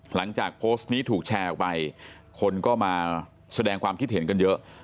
หลังจากโพสต์นี้ถูกแชร์ออกไปคนก็มาแสดงความคิดเห็นกันเยอะ